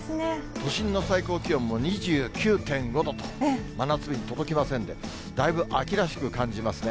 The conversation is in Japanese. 都心の最高気温も２９．５度と、真夏日に届きませんで、だいぶ秋らしく感じますね。